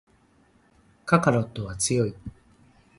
カカロットは強い